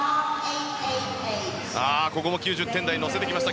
ここも９０点台に乗せてきました。